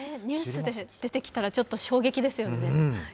ニュースで出てきたらちょっと衝撃ですよね。